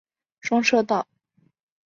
双车道。